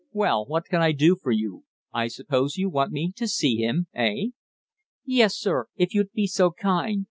Well, what can I do for you? I suppose you want me to see him eh?" "Yes, sir, if you'd be so kind.